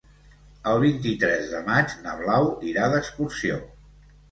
El vint-i-tres de maig na Blau irà d'excursió.